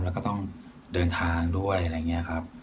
แล้วก็ต้องเดินทางด้วยอะไรอย่างนี้ครับ